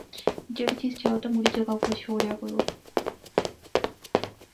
جیہری چیز چاَئو تے موڑی جغہ اوپر شوڑیا کرو